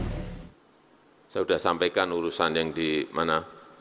saya sudah sampaikan urusan yang di mana